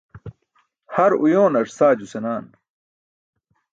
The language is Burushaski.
Har oyoonar saajo senaan.